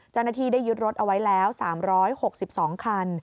เจ้าหน้าที่ได้ยึดรถเอาไว้แล้ว๓๖๒คัน